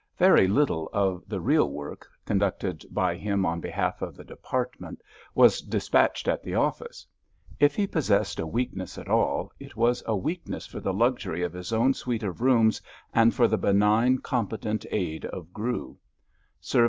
Very little of the real work, conducted by him on behalf of the Department, was dispatched at the office. If he possessed a weakness at all, it was a weakness for the luxury of his own suite of rooms and for the benign, competent aid of Grew.